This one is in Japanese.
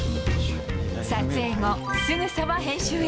撮影後、すぐさま編集へ。